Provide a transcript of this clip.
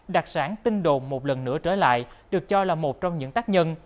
đặc sản tinh đồn một lần nữa trở lại được cho là một trong những tác nhân